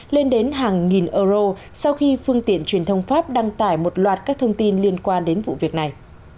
lên đến hàng nghìn euro sau khi phương tiện truyền thông pháp đăng tải một loạt các thông tin liên quan đến vụ việc này